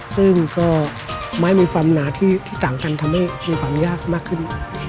ซึ่งก็ไม้มีความหนาที่ต่างกันทำให้มีความยากมากขึ้น